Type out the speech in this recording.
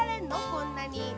こんなに。